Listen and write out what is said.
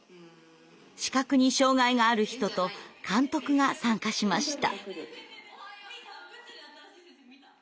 視覚に障害がある人と監督が参加しました。